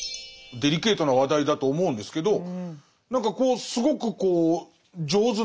デリケートな話題だと思うんですけど何かこうすごく上手な仕掛けを考えてる。